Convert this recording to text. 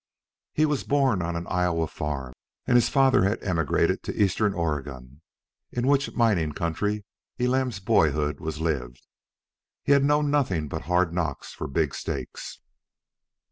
He was born on an Iowa farm, and his father had emigrated to eastern Oregon, in which mining country Elam's boyhood was lived. He had known nothing but hard knocks for big stakes.